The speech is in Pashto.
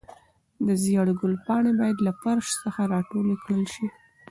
د زېړ ګل پاڼې باید له فرش څخه راټولې کړل شي.